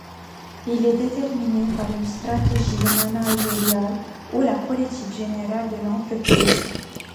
Il est déterminé par une stratégie managériale ou la politique générale de l'entreprise.